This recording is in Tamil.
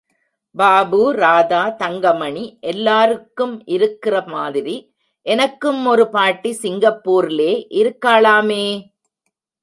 பாபு, ராதா, தங்கமணி எல்லாருக்கும் இருக்கிற மாதிரி எனக்கும் ஒரு பாட்டி சிங்கப்பூர்லே இருக்காளாமே.